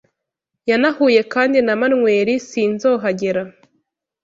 Yanahuye kandi na manweri Sinzohagera